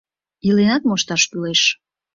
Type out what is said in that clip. Иленат мошташ кӱлеш.